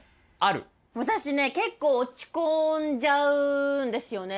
私ね結構落ち込んじゃうんですよね。